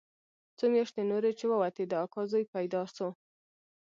څو مياشتې نورې چې ووتې د اکا زوى پيدا سو.